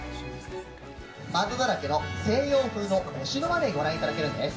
窓だらけの西洋風のお城までご覧いただけるんです。